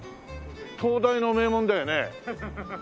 東大の名門だよね。